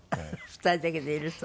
２人だけでいると？